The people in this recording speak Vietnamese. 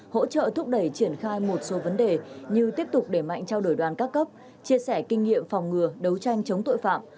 hỗ trợ thúc đẩy triển khai một số vấn đề như tiếp tục để mạnh trao đổi đoàn các cấp chia sẻ kinh nghiệm phòng ngừa đấu tranh chống tội phạm